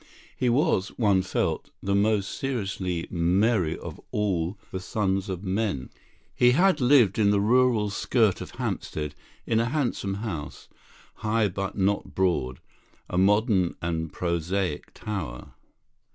He was, one felt, the most seriously merry of all the sons of men. He had lived on the rural skirt of Hampstead in a handsome house, high but not broad, a modern and prosaic tower.